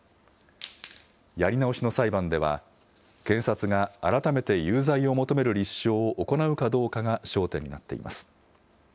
やり直しの裁判では、検察が改めて有罪を求める立証を行うかどうかが焦点になっています。